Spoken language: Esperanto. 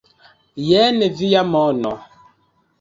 Jen via mono